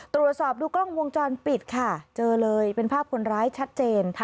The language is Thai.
ตรวจสอบดูกล้องวงจรปิดค่ะเจอเลยเป็นภาพคนร้ายชัดเจน